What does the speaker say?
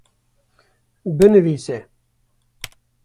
binivîse